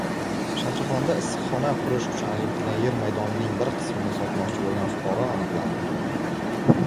Shahrixonda issiqxona qurish uchun ajratilgan yer maydonining bir qismini sotmoqchi bo‘lgan fuqaro aniqlandi